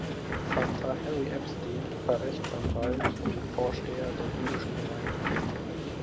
Vater Harry Epstein war Rechtsanwalt und Vorsteher der jüdischen Gemeinde.